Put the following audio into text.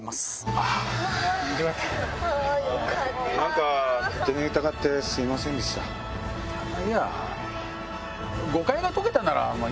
あっいや。